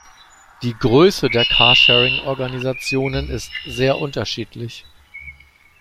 Die Größe der Carsharing-Organisationen ist sehr unterschiedlich.